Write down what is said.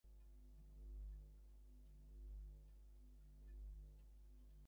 অধ্যক্ষ সোপানুল ইসলামের সভাপতিত্বেঅনুষ্ঠানে বিশেষ অতিথি ছিলেন প্রতিষ্ঠানের সহসভাপতি নায়ার কবির।